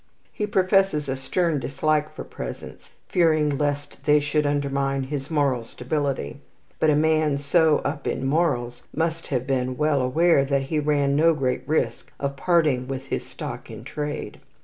He professes a stern dislike for presents, fearing lest they should undermine his moral stability; but a man so up in morals must have been well aware that he ran no great risk of parting with his stock in trade.